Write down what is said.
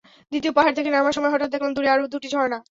দ্বিতীয় পাহাড় থেকে নামার সময় হঠাৎ দেখলাম দূরে আরও দুটি ঝরনা।